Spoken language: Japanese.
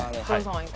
はい。